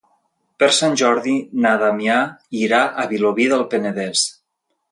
Per Sant Jordi na Damià irà a Vilobí del Penedès.